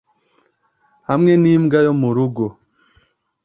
Hamwe nimbwa yo mu rugo